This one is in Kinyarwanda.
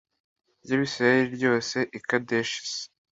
ry abisirayeli ryose i kadeshi s